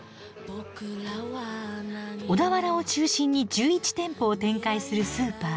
小田原を中心に１１店舗を展開するスーパー。